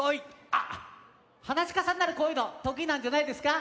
あっはなしかさんならこういうのとくいなんじゃないですか。